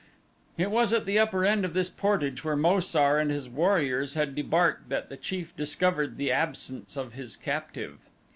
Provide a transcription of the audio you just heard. It was at the upper end of this portage where Mo sar and his warriors had debarked that the chief discovered the absence of his captive.